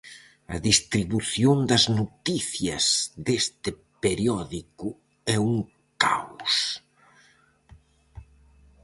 A distribución das noticias deste periódico é un caos.